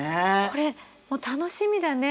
これ楽しみだね。